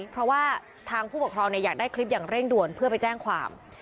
เพราะว่าทางผู้ปกครองอยากได้คลิปอย่างเร่งด่วนเพื่อไปแจ้งความ